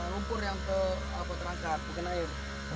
lumpur yang terangkat dikena air